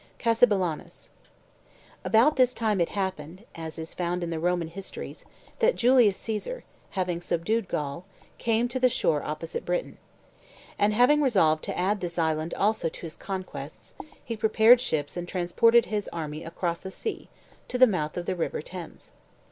CASSIBELLAUNUS About this time it happened (as is found in the Roman histories) that Julius Caesar, having subdued Gaul, came to the shore opposite Britain. And having resolved to add this island also to his conquests, he prepared ships and transported his army across the sea, to the mouth of the River Thames.